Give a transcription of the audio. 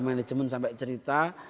manajemen sampai cerita